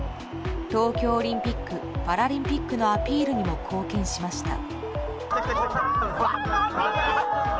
東京オリンピック・パラリンピックのアピールにも貢献しました。